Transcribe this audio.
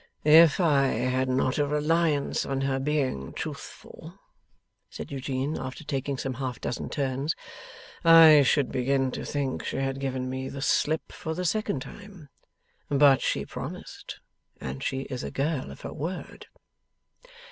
'If I had not a reliance on her being truthful,' said Eugene, after taking some half dozen turns, 'I should begin to think she had given me the slip for the second time. But she promised, and she is a girl of her word.